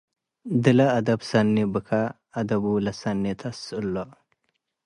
ደለ አደብ ሰኒ ቡከ አደቡ ለሰኒ ተአስእሉ።